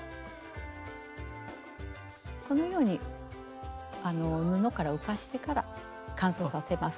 このように布から浮かしてから乾燥させます。